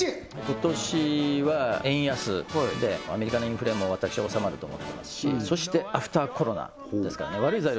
今年は円安でアメリカのインフレも私は収まると思ってますしそしてアフターコロナですからね悪い材料